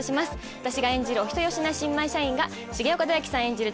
私が演じるお人よしな新米社員が重岡大毅さん演じる